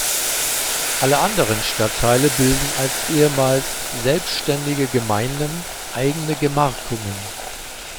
Alle anderen Stadtteile bilden als ehemals selbständige Gemeinden eigene Gemarkungen.